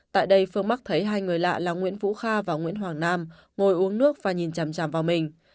tại đây phương mắc thấy hai người lạ là nguyễn vũ kha và nguyễn hoàng nam ngồi uống nước và nhìn chầm chàm vào mình